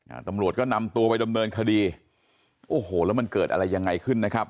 อ่าตำรวจก็นำตัวไปดำเนินคดีโอ้โหแล้วมันเกิดอะไรยังไงขึ้นนะครับ